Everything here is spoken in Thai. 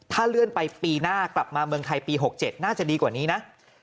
ถ้าเลื่อนไปปีหน้ากลับมาเมืองไทยปี๖๗น่าจะดีกว่านี้นะ